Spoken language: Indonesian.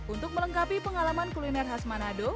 untuk melengkapi pengalaman kuliner khas manado